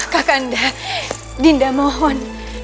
kakanda dinda mohon